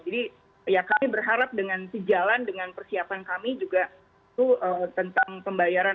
jadi kami berharap dengan sejalan dengan persiapan kami juga itu tentang pembayaran